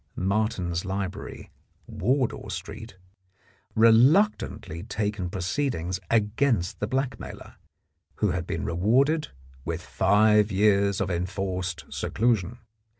Martin's Library, Wardour Street, reluctantly taken proceedings against the blackmailer, who had been rewarded with five years of enforced seclusion.